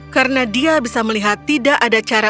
karena dia bisa melihat tidak ada cara